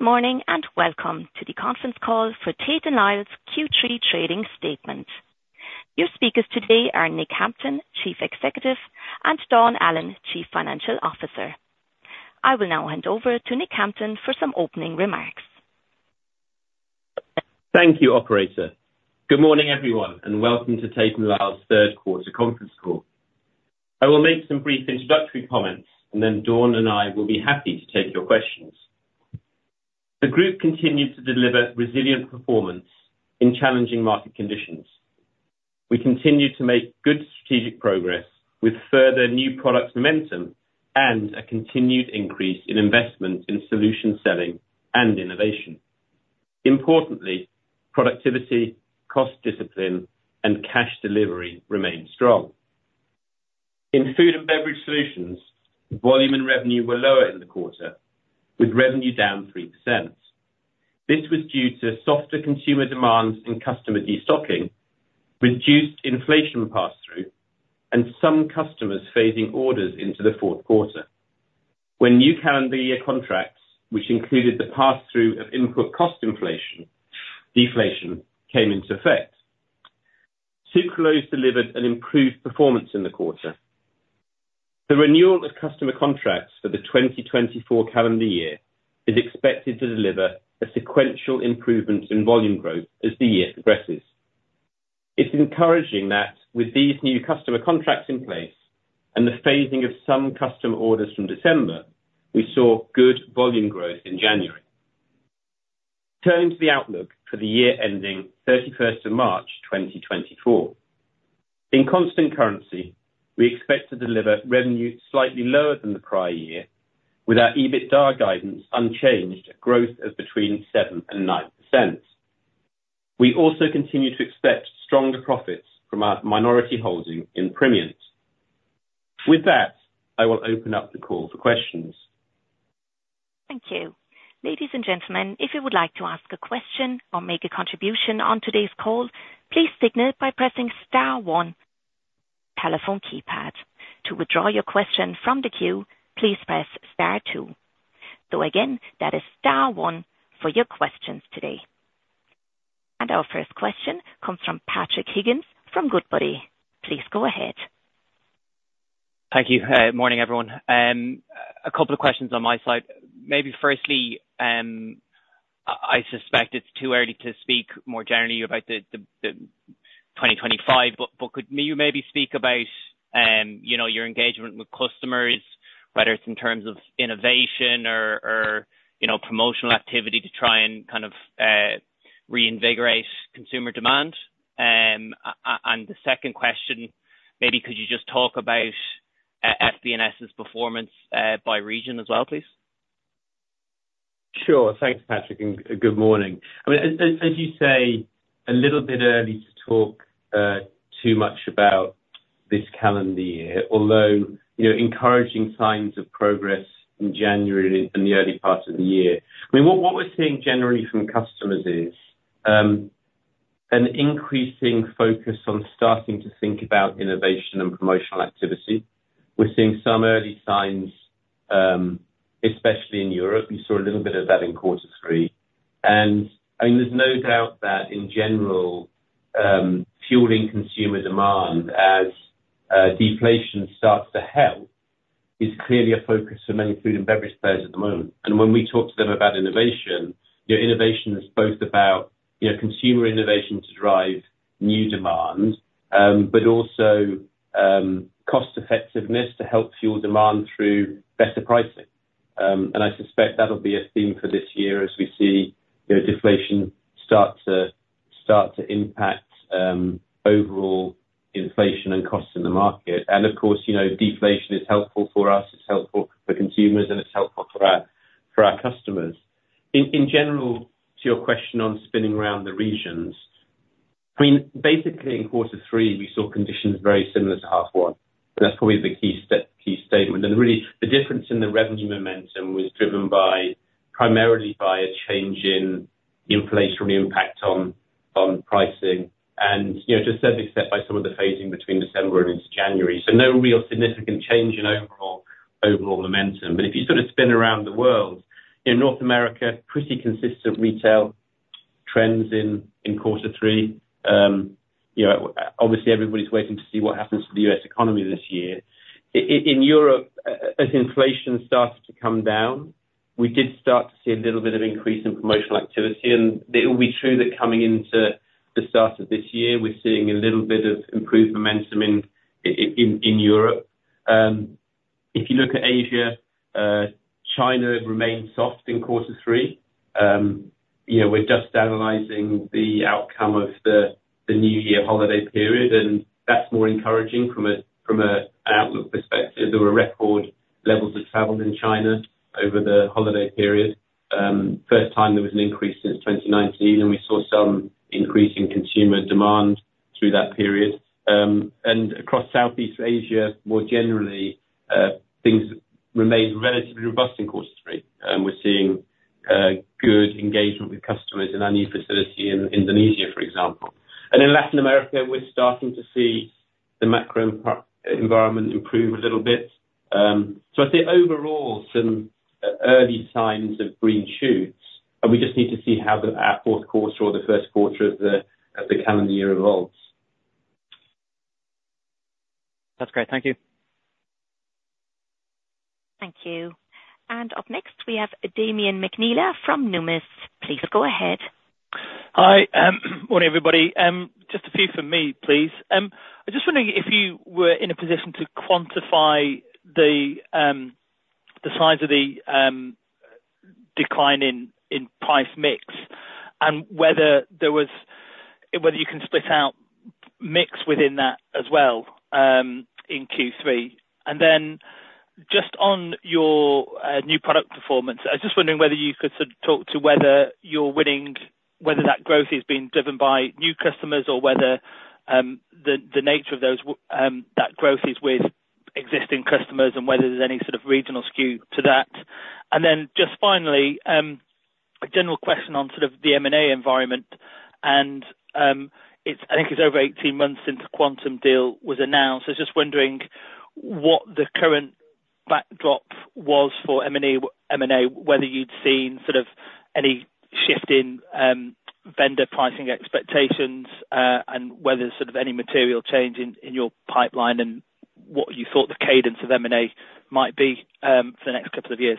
Good morning, and welcome to the conference call for Tate & Lyle's Q3 trading statement. Your speakers today are Nick Hampton, Chief Executive, and Dawn Allen, Chief Financial Officer. I will now hand over to Nick Hampton for some opening remarks. Thank you, operator. Good morning, everyone, and welcome to Tate & Lyle's third quarter conference call. I will make some brief introductory comments, and then Dawn and I will be happy to take your questions. The group continued to deliver resilient performance in challenging market conditions. We continued to make good strategic progress, with further new product momentum and a continued increase in investment in solution selling and innovation. Importantly, productivity, cost discipline, and cash delivery remained strong. In food and beverage solutions, volume and revenue were lower in the quarter, with revenue down 3%. This was due to softer consumer demands and customer destocking, reduced inflation pass-through, and some customers phasing orders into the fourth quarter. When new calendar year contracts, which included the pass-through of input cost inflation/deflation, came into effect. Sucralose delivered an improved performance in the quarter. The renewal of customer contracts for the 2024 calendar year is expected to deliver a sequential improvement in volume growth as the year progresses. It's encouraging that with these new customer contracts in place and the phasing of some customer orders from December, we saw good volume growth in January. Turning to the outlook for the year ending March 31, 2024. In constant currency, we expect to deliver revenue slightly lower than the prior year, with our EBITDA guidance unchanged at growth of between 7% and 9%. We also continue to expect stronger profits from our minority holding in Primient. With that, I will open up the call for questions. Thank you. Ladies and gentlemen, if you would like to ask a question or make a contribution on today's call, please signal it by pressing star one telephone keypad. To withdraw your question from the queue, please press star two. So again, that is star one for your questions today. And our first question comes from Patrick Higgins from Goodbody. Please go ahead. Thank you. Morning, everyone. A couple of questions on my side. Maybe firstly, I suspect it's too early to speak more generally about the 2025, but could you maybe speak about, you know, your engagement with customers, whether it's in terms of innovation or, you know, promotional activity to try and kind of reinvigorate consumer demand? And the second question, maybe could you just talk about FBS performance by region as well, please? Sure. Thanks, Patrick, and good morning. I mean, as you say, a little bit early to talk too much about this calendar year, although, you know, encouraging signs of progress in January and in the early part of the year. I mean, what we're seeing generally from customers is an increasing focus on starting to think about innovation and promotional activity. We're seeing some early signs, especially in Europe. We saw a little bit of that in quarter three. And I mean, there's no doubt that in general, fueling consumer demand as deflation starts to help, is clearly a focus for many food and beverage players at the moment. When we talk to them about innovation, you know, innovation is both about, you know, consumer innovation to drive new demand, but also, cost effectiveness to help fuel demand through better pricing. And I suspect that'll be a theme for this year as we see, you know, deflation start to impact, overall inflation and costs in the market. And of course, you know, deflation is helpful for us, it's helpful for consumers, and it's helpful for our customers. In general, to your question on spinning around the regions, I mean, basically in quarter three, we saw conditions very similar to half one, and that's probably the key statement. Really, the difference in the revenue momentum was driven by, primarily by a change in inflationary impact on pricing and, you know, to a certain extent, by some of the phasing between December and into January. So no real significant change in overall, overall momentum. But if you sort of spin around the world, in North America, pretty consistent retail trends in quarter three. You know, obviously everybody's waiting to see what happens to the U.S. economy this year. In Europe, as inflation starts to come down, we did start to see a little bit of increase in promotional activity, and it will be true that coming into the start of this year, we're seeing a little bit of improved momentum in Europe. If you look at Asia, China remained soft in quarter three. You know, we're just analyzing the outcome of the New Year holiday period, and that's more encouraging from an outlook perspective. There were record levels of travel in China over the holiday period. First time there was an increase since 2019, and we saw some increase in consumer demand through that period. And across Southeast Asia, more generally, things remained relatively robust in quarter three, and we're seeing good engagement with customers in our new facility in Indonesia, for example. And in Latin America, we're starting to see the macro environment improve a little bit. So I'd say overall, some early signs of green shoots, and we just need to see how our fourth quarter or the first quarter of the calendar year evolves. That's great. Thank you. Thank you. And up next, we have Damian McNeela from Numis. Please go ahead. Hi, morning, everybody. Just a few from me, please. I'm just wondering if you were in a position to quantify the size of the decline in price mix, and whether you can split out mix within that as well, in Q3? And then just on your new product performance, I was just wondering whether you could sort of talk to whether you're winning, whether that growth is being driven by new customers, or whether the nature of that growth is with existing customers, and whether there's any sort of regional skew to that. And then just finally, a general question on sort of the M&A environment, and it's, I think it's over 18 months since the Quantum deal was announced. I was just wondering what the current backdrop was for M&A, M&A, whether you'd seen sort of any shift in vendor pricing expectations, and whether there's sort of any material change in your pipeline, and what you thought the cadence of M&A might be for the next couple of years?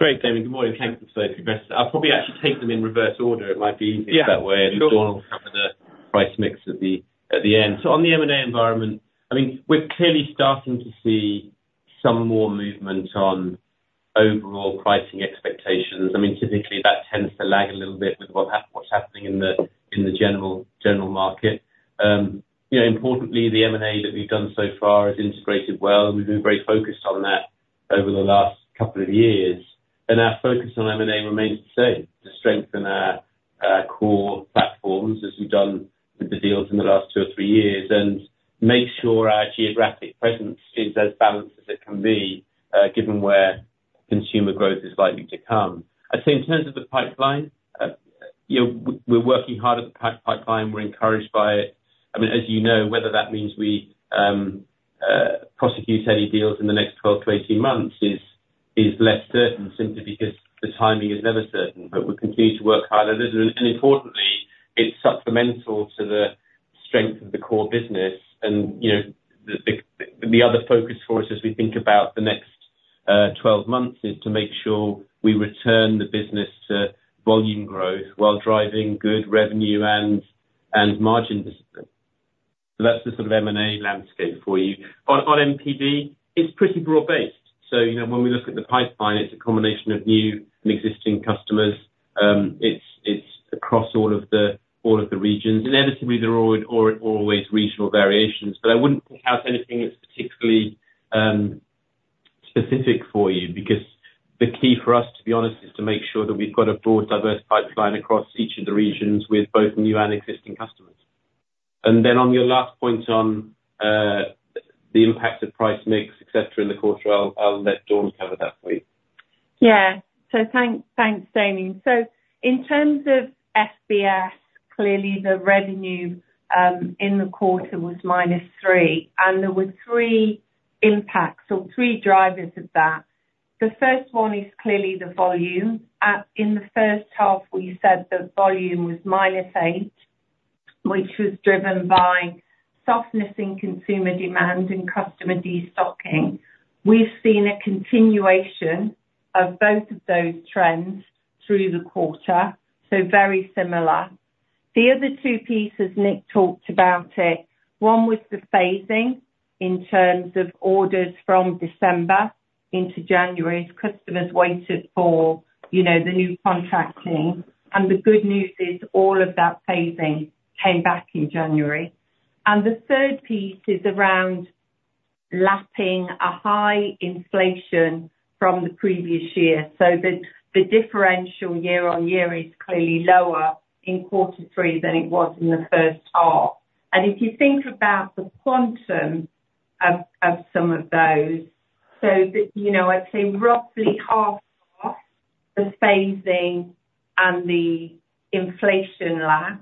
Great, Damian. Good morning, and thanks for those questions. I'll probably actually take them in reverse order. It might be easier- Yeah. -that way, and Dawn will cover the price mix at the end. So on the M&A environment, I mean, we're clearly starting to see some more movement on overall pricing expectations. I mean, typically, that tends to lag a little bit with what's happening in the general market. You know, importantly, the M&A that we've done so far has integrated well. We've been very focused on that over the last couple of years, and our focus on M&A remains the same: to strengthen our core platforms, as we've done with the deals in the last two or three years, and make sure our geographic presence is as balanced as it can be, given where consumer growth is likely to come. I'd say in terms of the pipeline, you know, we're working hard at the pipeline. We're encouraged by it. I mean, as you know, whether that means we prosecute any deals in the next 12-18 months, is less certain, simply because the timing is never certain, but we continue to work hard at it. Importantly, it's supplemental to the strength of the core business, and, you know, the other focus for us as we think about the next 12 months, is to make sure we return the business to volume growth while driving good revenue and margin discipline. So that's the sort of M&A landscape for you. On NPD, it's pretty broad-based. So, you know, when we look at the pipeline, it's a combination of new and existing customers. It's across all of the regions. Inevitably, there are always regional variations, but I wouldn't have anything that's particularly specific for you, because the key for us, to be honest, is to make sure that we've got a broad, diverse pipeline across each of the regions with both new and existing customers. And then on your last point on the impact of price mix, et cetera, in the quarter, I'll let Dawn cover that for you. Yeah. So thanks, thanks, Damian. So in terms of FBS, clearly the revenue in the quarter was -3%, and there were three impacts or three drivers of that. The first one is clearly the volume. In the first half, we said the volume was -8%, which was driven by softness in consumer demand and customer destocking. We've seen a continuation of both of those trends through the quarter, so very similar. The other two pieces, Nick talked about it. One was the phasing, in terms of orders from December into January, as customers waited for, you know, the new contracting. And the good news is all of that phasing came back in January. And the third piece is around lapping a high inflation from the previous year. So the differential year on year is clearly lower in quarter three than it was in the first half. And if you think about the quantum of some of those, so you know, I'd say roughly half of the phasing and the inflation lap,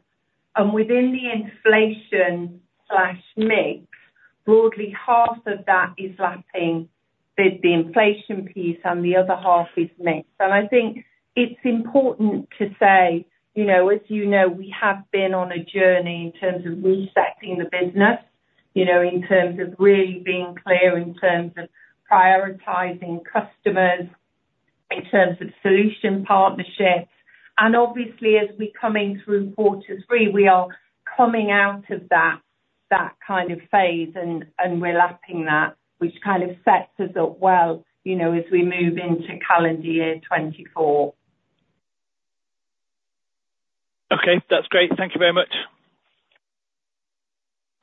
and within the inflation/mix, broadly half of that is lapping the inflation piece, and the other half is mix. And I think it's important to say, you know, as you know, we have been on a journey in terms of resetting the business, you know, in terms of really being clear, in terms of prioritizing customers, in terms of solution partnership, and obviously, as we come into quarter three, we are coming out of that kind of phase, and we're lapping that, which kind of sets us up well, you know, as we move into calendar year 2024. Okay. That's great. Thank you very much.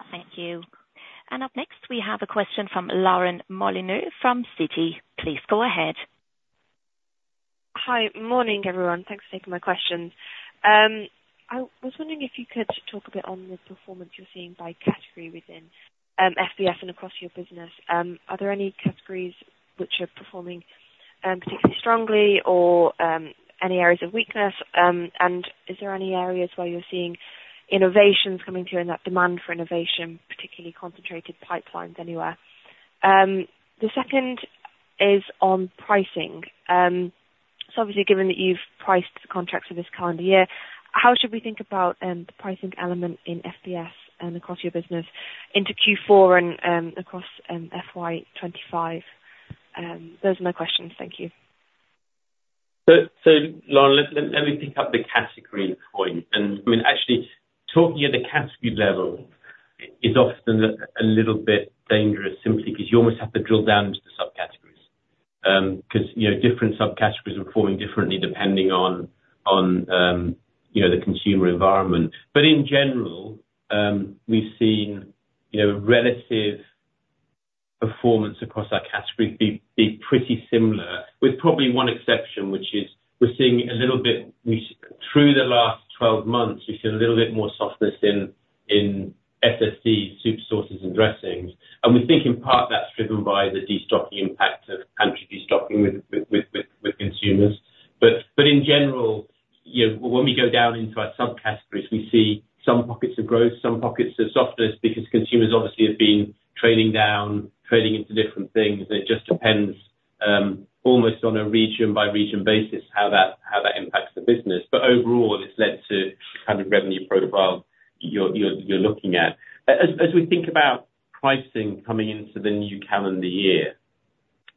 Thank you. And up next, we have a question from Lauren Molyneux from Citi. Please go ahead. Hi. Morning, everyone. Thanks for taking my questions. I was wondering if you could talk a bit on the performance you're seeing by category within, FBS and across your business. Are there any categories which are performing particularly strongly or, any areas of weakness, and is there any areas where you're seeing innovations coming through and that demand for innovation, particularly concentrated pipelines anywhere? The second is on pricing. So obviously, given that you've priced the contracts for this calendar year, how should we think about, the pricing element in FBS and across your business into Q4 and, across, FY 25? Those are my questions. Thank you. So, Lauren, let me pick up the category point, and I mean, actually talking at the category level is often a little bit dangerous, simply because you almost have to drill down into the subcategories. 'Cause, you know, different subcategories are performing differently, depending on, you know, the consumer environment. But in general, we've seen, you know, relative performance across our categories be pretty similar, with probably one exception, which is we're seeing a little bit through the last 12 months, we've seen a little bit more softness in SSD, soup, sauces and dressings, and we think in part, that's driven by the destocking impact of pantry destocking with consumers. But in general, you know, when we go down into our subcategories, we see some pockets of growth, some pockets of softness, because consumers obviously have been trading down, trading into different things, and it just depends almost on a region by region basis, how that impacts the business. But overall, it's led to kind of revenue profile you're looking at. As we think about pricing coming into the new calendar year,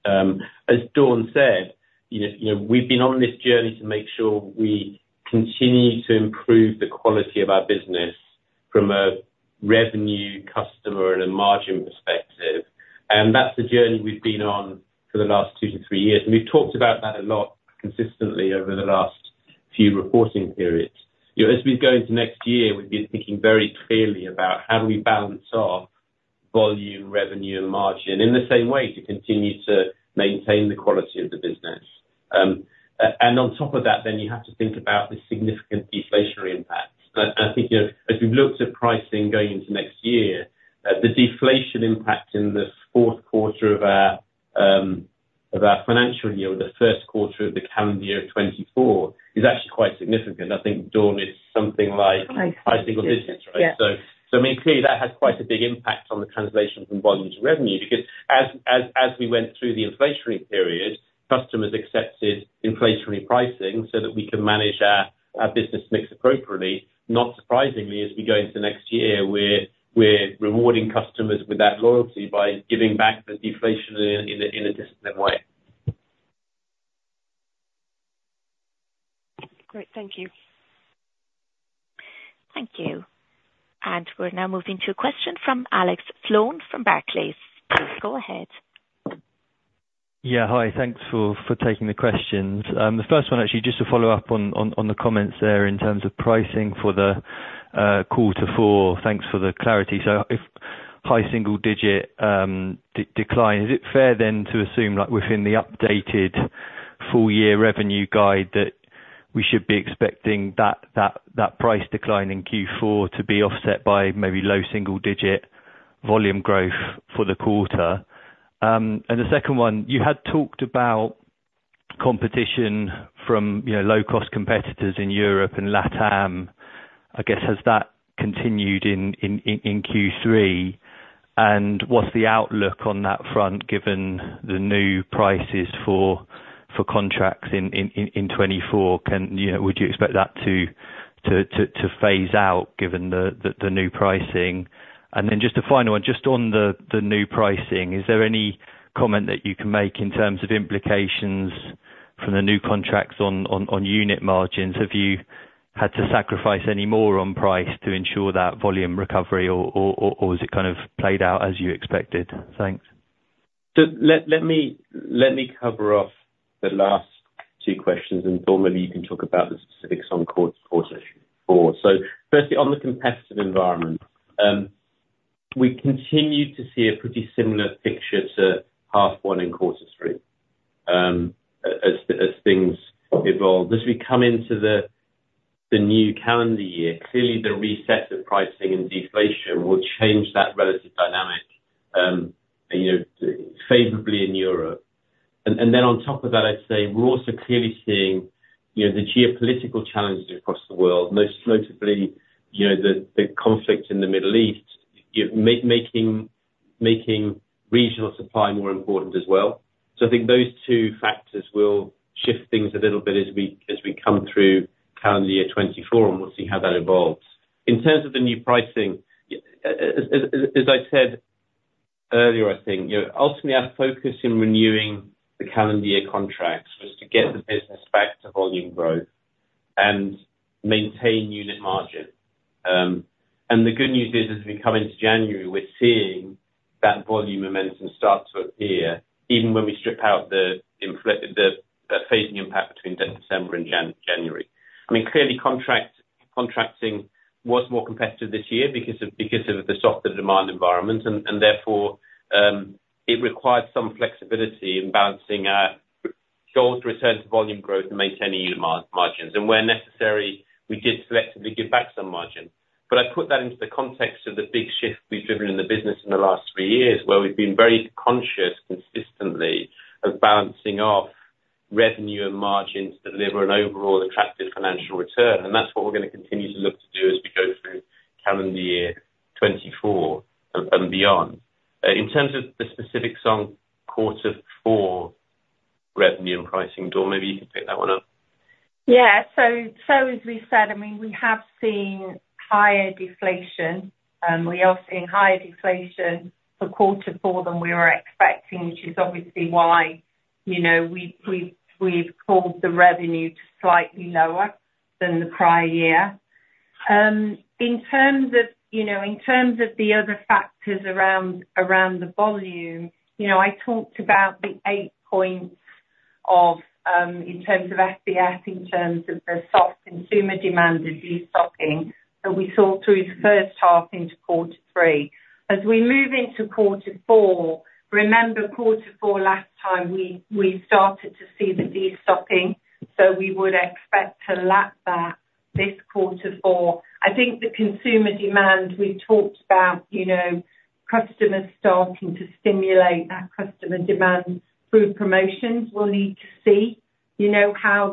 as Dawn said, you know, we've been on this journey to make sure we continue to improve the quality of our business from a revenue customer and a margin perspective, and that's the journey we've been on for the last two to three years. And we've talked about that a lot consistently over the last few reporting periods. You know, as we go into next year, we've been thinking very clearly about how do we balance our volume, revenue and margin, in the same way to continue to maintain the quality of the business. And on top of that, then you have to think about the significant deflationary impacts. But I think, you know, as we've looked at pricing going into next year, the deflation impact in the fourth quarter of our, of our financial year, or the first quarter of the calendar year of 2024, is actually quite significant. I think Dawn, it's something like- High single digits, yeah. -high single digits, right? So I mean, clearly that has quite a big impact on the translation from volume to revenue, because as we went through the inflationary period, customers accepted inflationary pricing so that we could manage our business mix appropriately. Not surprisingly, as we go into next year, we're rewarding customers with that loyalty by giving back the deflation in a disciplined way. Great. Thank you. Thank you. We're now moving to a question from Alex Sloane from Barclays. Please go ahead. Yeah, hi. Thanks for taking the questions. The first one, actually, just to follow up on the comments there in terms of pricing for the quarter four. Thanks for the clarity. So if high single digit declined, is it fair then to assume, like within the updated full year revenue guide, that we should be expecting that price decline in Q4 to be offset by maybe low single digit volume growth for the quarter? And the second one, you had talked about competition from, you know, low-cost competitors in Europe and LATAM. I guess, has that continued in Q3? And what's the outlook on that front, given the new prices for contracts in 2024? Can you know, would you expect that to phase out given the new pricing? And then just a final one, just on the new pricing, is there any comment that you can make in terms of implications from the new contracts on unit margins? Have you had to sacrifice any more on price to ensure that volume recovery or is it kind of played out as you expected? Thanks. So let me cover off the last two questions, and Dawn, maybe you can talk about the specifics on quarter four. So firstly, on the competitive environment, we continue to see a pretty similar picture to half one and quarter three, as things evolve. As we come into the new calendar year, clearly the reset of pricing and deflation will change that relative dynamic, you know, favorably in Europe. And then on top of that, I'd say we're also clearly seeing, you know, the geopolitical challenges across the world, most notably, you know, the conflict in the Middle East, making regional supply more important as well. So I think those two factors will shift things a little bit as we come through calendar year 2024, and we'll see how that evolves. In terms of the new pricing, as I said earlier, I think, you know, ultimately our focus in renewing the calendar year contracts was to get the business back to volume growth and maintain unit margin. And the good news is, as we come into January, we're seeing that volume momentum start to appear, even when we strip out the inflation, the phasing impact between December and January. I mean, clearly contracting was more competitive this year because of the softer demand environment, and therefore, it required some flexibility in balancing our goal to return to volume growth and maintaining unit margins. And where necessary, we did selectively give back some margin.... But I put that into the context of the big shift we've driven in the business in the last three years, where we've been very conscious, consistently, of balancing off revenue and margins to deliver an overall attractive financial return. And that's what we're gonna continue to look to do as we go through calendar year 2024 and beyond. In terms of the specifics on quarter four revenue and pricing, Dawn, maybe you can pick that one up. Yeah. So as we said, I mean, we have seen higher deflation, and we are seeing higher deflation for quarter four than we were expecting, which is obviously why, you know, we've called the revenue slightly lower than the prior year. In terms of, you know, in terms of the other factors around the volume, you know, I talked about the 8 points of, in terms of FBS, in terms of the soft consumer demand and destocking, that we saw through the first half into quarter three. As we move into quarter four, remember, quarter four last time, we started to see the destocking, so we would expect to lap that this quarter four. I think the consumer demand, we've talked about, you know, customers starting to stimulate that customer demand through promotions. We'll need to see, you know, how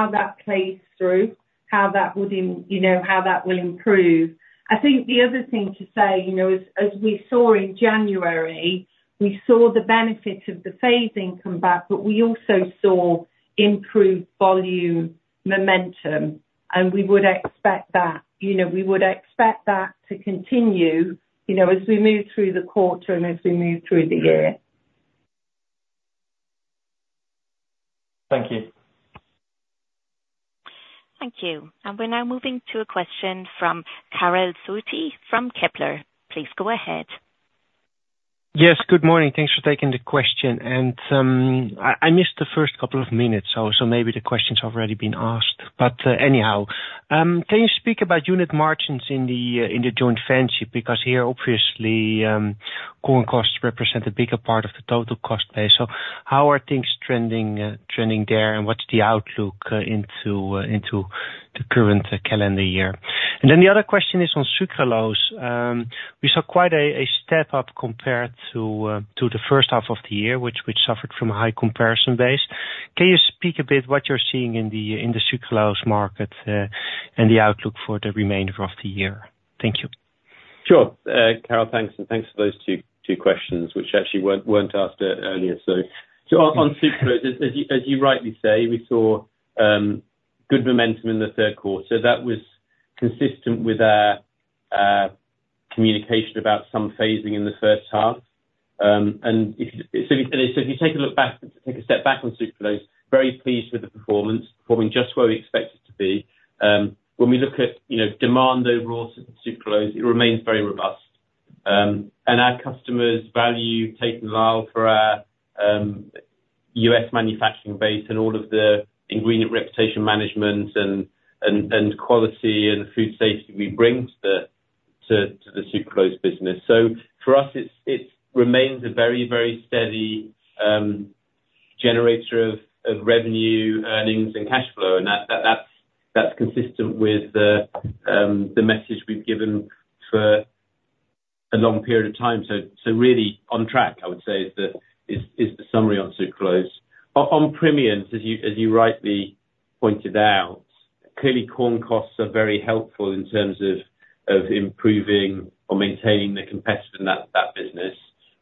that plays through, how that would, you know, how that will improve. I think the other thing to say, you know, as we saw in January, we saw the benefits of the phasing come back, but we also saw improved volume momentum, and we would expect that, you know, we would expect that to continue, you know, as we move through the quarter and as we move through the year. Thank you. Thank you. We're now moving to a question from Karel Zoete from Kepler. Please go ahead. Yes, good morning. Thanks for taking the question. And, I missed the first couple of minutes, so, maybe the question's already been asked, but, anyhow, can you speak about unit margins in the, in the joint venture? Because here, obviously, corn costs represent a bigger part of the total cost base. So how are things trending there, and what's the outlook into the current calendar year? And then the other question is on sucralose. We saw quite a step up compared to the first half of the year, which suffered from a high comparison base. Can you speak a bit what you're seeing in the sucralose market, and the outlook for the remainder of the year? Thank you. Sure. Karel, thanks, and thanks for those two, two questions, which actually weren't, weren't asked earlier, so. So on sucralose, as you rightly say, we saw good momentum in the third quarter. So that was consistent with our communication about some phasing in the first half. So if you take a look back, take a step back on sucralose, very pleased with the performance. Performing just where we expect it to be. When we look at, you know, demand overall sucralose, it remains very robust. And our customers value taking the aisle for our U.S. manufacturing base and all of the ingredient reputation management and quality and food safety we bring to the sucralose business. So for us, it remains a very, very steady generator of revenue, earnings, and cash flow, and that, that's consistent with the message we've given for a long period of time. So really on track, I would say is the summary on Sucralose. On Primient, as you rightly pointed out, clearly corn costs are very helpful in terms of improving or maintaining the competitiveness in that business.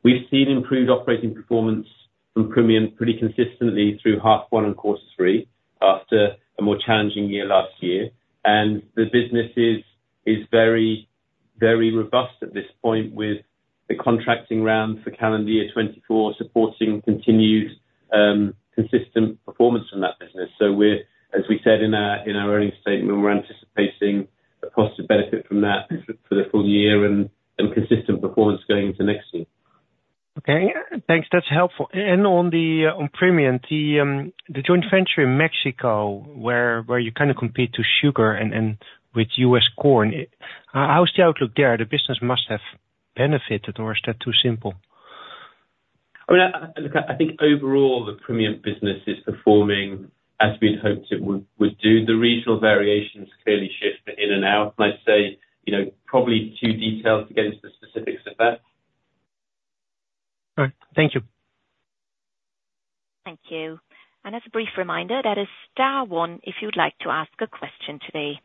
We've seen improved operating performance from Primient pretty consistently through half one and quarter three, after a more challenging year last year. And the business is very, very robust at this point, with the contracting round for calendar year 2024 supporting continued consistent performance in that business. So we're, as we said in our earnings statement, we're anticipating a positive benefit from that for the full year and consistent performance going into next year. Okay. Thanks, that's helpful. And on Primient, the joint venture in Mexico, where you kind of compete with sugar and with U.S. corn, how is the outlook there? The business must have benefited, or is that too simple? I mean, look, I think overall, the premium business is performing as we'd hoped it would do. The regional variations clearly shift in and out. And I'd say, you know, probably too detailed to get into the specifics of that. All right. Thank you. Thank you. As a brief reminder, that is star one, if you'd like to ask a question today.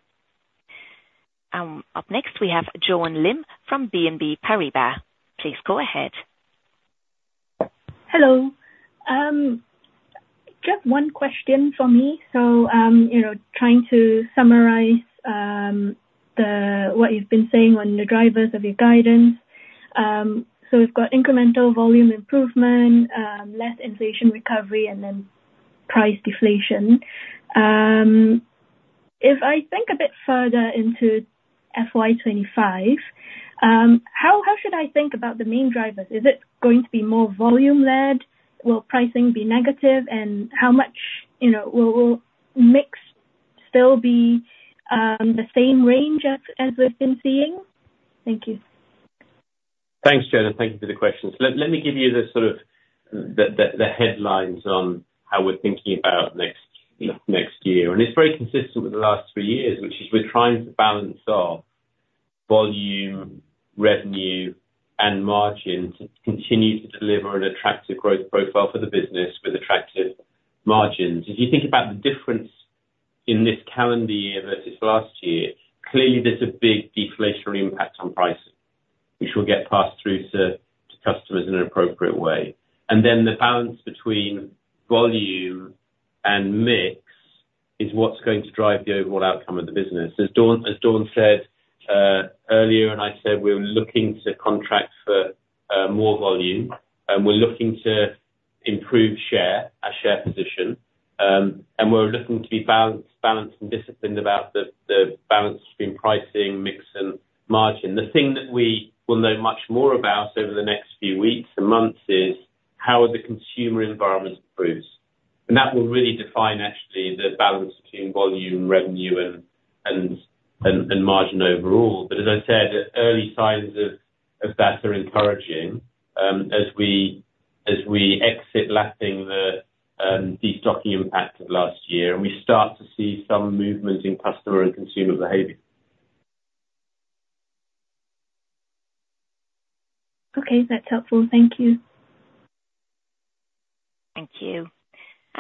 Up next, we have Joan Lim from BNP Paribas. Please go ahead. Hello. Just one question from me. So, you know, trying to summarize, what you've been saying on the drivers of your guidance. So we've got incremental volume improvement, less inflation recovery, and then price deflation. If I think a bit further into FY 25, how should I think about the main drivers? Is it going to be more volume-led? Will pricing be negative, and how much, you know, will mix still be the same range as we've been seeing? Thank you.... Thanks, Jenna, thank you for the questions. Let me give you the sort of the headlines on how we're thinking about next year. And it's very consistent with the last three years, which is we're trying to balance our volume, revenue, and margin to continue to deliver an attractive growth profile for the business with attractive margins. If you think about the difference in this calendar year versus last year, clearly there's a big deflationary impact on pricing, which will get passed through to customers in an appropriate way. And then the balance between volume and mix is what's going to drive the overall outcome of the business. As Dawn said earlier, and I said, we're looking to contract for more volume, and we're looking to improve share, our share position. And we're looking to be balanced and disciplined about the balance between pricing, mix, and margin. The thing that we will know much more about over the next few weeks and months is how the consumer environment improves. And that will really define actually the balance between volume, revenue, and margin overall. But as I said, early signs of that are encouraging, as we exit lapping the destocking impact of last year, and we start to see some movement in customer and consumer behavior. Okay, that's helpful. Thank you. Thank you.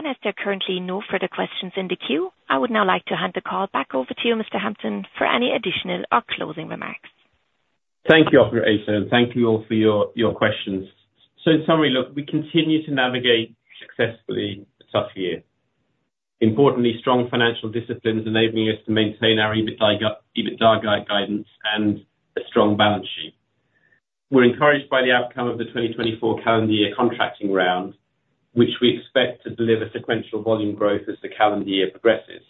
As there are currently no further questions in the queue, I would now like to hand the call back over to you, Mr. Hampton, for any additional or closing remarks. Thank you, Operator, and thank you all for your questions. So in summary, look, we continue to navigate successfully a tough year. Importantly, strong financial discipline is enabling us to maintain our EBITDA guidance and a strong balance sheet. We're encouraged by the outcome of the 2024 calendar year contracting round, which we expect to deliver sequential volume growth as the calendar year progresses.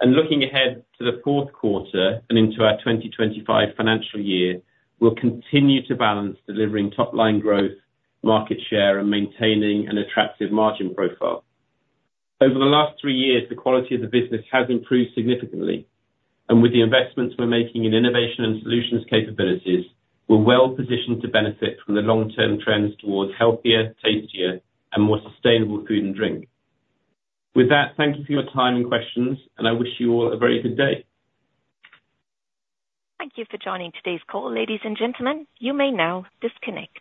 And looking ahead to the fourth quarter and into our 2025 financial year, we'll continue to balance delivering top line growth, market share, and maintaining an attractive margin profile. Over the last three years, the quality of the business has improved significantly, and with the investments we're making in innovation and solutions capabilities, we're well positioned to benefit from the long-term trends towards healthier, tastier, and more sustainable food and drink. With that, thank you for your time and questions, and I wish you all a very good day. Thank you for joining today's call, ladies and gentlemen. You may now disconnect.